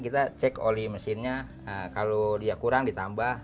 kita cek oli mesinnya kalau dia kurang ditambah